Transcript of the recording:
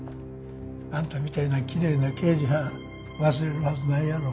あんたみたいなきれいな刑事はん忘れるはずないやろ。